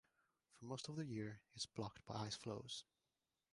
For most of the year, it is blocked by ice floes.